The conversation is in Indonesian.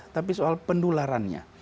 tapi soal pendularannya